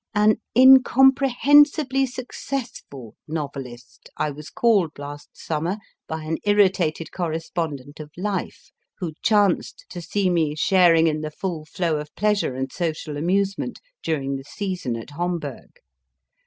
An incomprehensibly successful novelist I was called last summer by an irritated correspondent of Life, who chanced to see me sharing in the full flow of pleasure and social amusement during the season at Homburg.